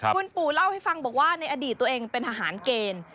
คุณปู่เล่าให้ฟังบอกว่าในอดีตตัวเองเป็นทหารเกณฑ์